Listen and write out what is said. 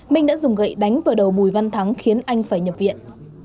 minh đã dùng gậy đánh vào đầu bùi văn thắng khiến anh phải nhập viện